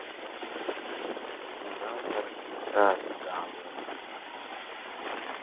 Mydam bir kararly daglar